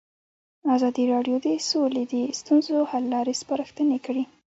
ازادي راډیو د سوله د ستونزو حل لارې سپارښتنې کړي.